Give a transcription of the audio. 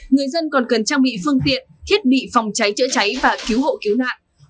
người dân còn cần trang bị phương tiện thiết bị phòng cháy chữa cháy và cứu hộ cứu nạn